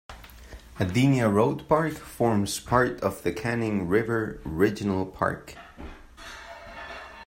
Adenia Road Park forms part of the Canning River Regional Park.